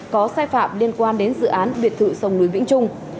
có sai phạm liên quan đến dự án biệt thự sông núi vĩnh trung